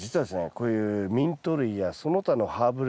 こういうミント類やその他のハーブ類はですね